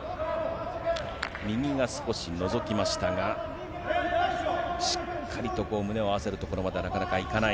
右が少しのぞきましたが、しっかりと胸を合わせるところまでなかなかいかない。